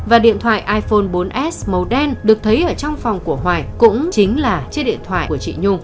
và điện thoại iphone bốn s màu đen được thấy ở trong phòng của hoài cũng chính là chiếc điện thoại của chị nhung